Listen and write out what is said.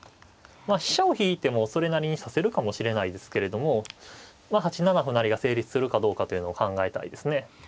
飛車を引いてもそれなりに指せるかもしれないですけれども８七歩成が成立するかどうかというのを考えたいですね。